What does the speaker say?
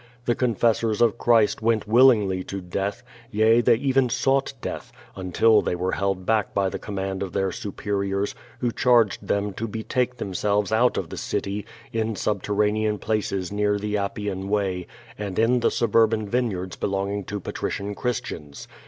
The confessors of Christ went willingly to death; yea, they even souglit death, until they were held back by the command of their superiors, who charged them to betake themselves out of the city, in sub terranean places near the Appian Way, and in the suburban vineyards belonging to patrician Christians.